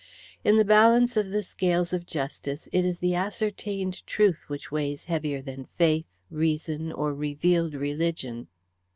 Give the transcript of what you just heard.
In the balance of the scales of justice it is the ascertained truth which weighs heavier than faith, reason, or revealed religion.